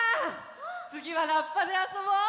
つぎはラッパであそぼう！